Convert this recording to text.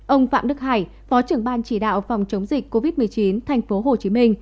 ông phạm đức hải phó trưởng ban chỉ đạo phòng chống dịch covid một mươi chín tp hcm